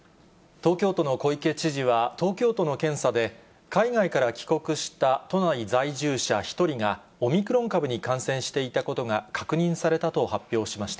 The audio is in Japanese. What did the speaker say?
東京都の小池知事は、東京都の検査で、海外から帰国した都内在住者１人がオミクロン株に感染していたことが確認されたと発表しました。